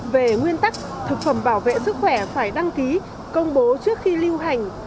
về nguyên tắc thực phẩm bảo vệ sức khỏe phải đăng ký công bố trước khi lưu hành